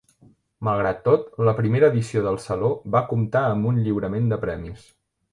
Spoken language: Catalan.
Malgrat tot, la primera edició del Saló va comptar amb un lliurament de premis.